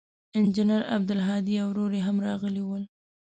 انجنیر عبدالهادي او ورور یې هم راغلي ول.